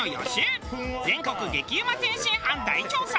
全国激うま天津飯大調査！